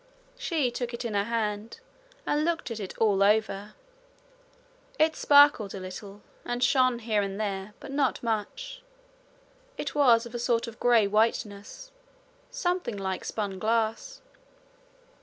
She took it in her hand, and looked at it all over. It sparkled a little, and shone here and there, but not much. It was of a sort of grey whiteness, something like spun glass.